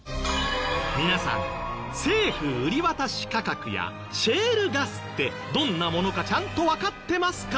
皆さん「政府売渡価格」や「シェールガス」ってどんなものかちゃんとわかってますか？